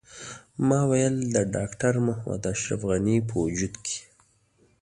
ما ویل د ډاکټر محمد اشرف غني په وجود کې.